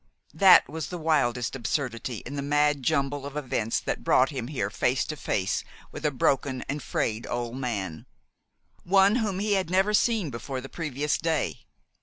That was the wildest absurdity in the mad jumble of events which brought him here face to face with a broken and frayed old man, one whom he had never seen before the previous day.